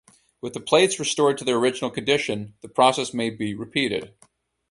With the plates restored to their original condition, the process may be repeated.